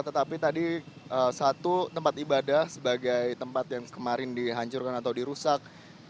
tetapi tadi satu tempat ibadah sebagai tempat yang kemarin dihancurkan atau dirusak